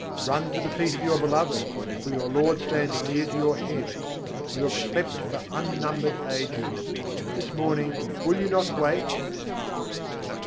Run to the feet of your Beloved: for your Lord stands near to your head. You have slept for unnumbered ages; this morning will you not wake? XX II.